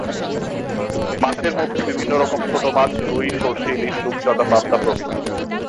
মাছের মধ্যে বিভিন্ন রকম ছোট মাছ, রুই, সরষে ইলিশ, রুপচাঁদা, পাবদা প্রভৃতি।